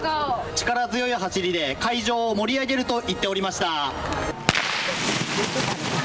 力強い走りで会場を盛り上げると言っておりました。